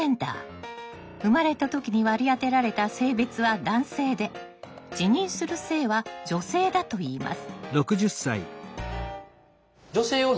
生まれたときに割り当てられた性別は男性で自認する性は女性だといいます。